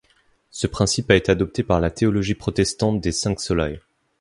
Ce principe a été adopté par la théologie protestante des cinq solae.